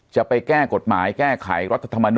จะไปแก้กฎหมายแก้ไขรัฐธรรมนูล